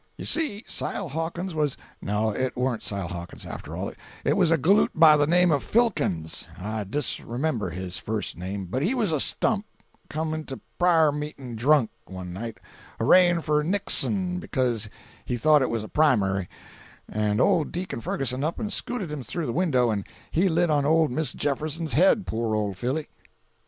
You see, Sile Hawkins was—no, it warn't Sile Hawkins, after all—it was a galoot by the name of Filkins—I disremember his first name; but he was a stump—come into pra'r meeting drunk, one night, hooraying for Nixon, becuz he thought it was a primary; and old deacon Ferguson up and scooted him through the window and he lit on old Miss Jefferson's head, poor old filly.